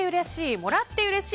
もらってうれしい！